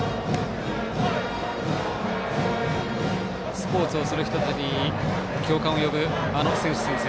スポーツをする人たちに共感を呼ぶあの選手宣誓。